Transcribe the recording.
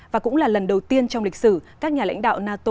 và cũng là lần đầu tiên trong lịch sử các nhà lãnh đạo nato